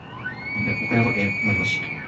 岡山県真庭市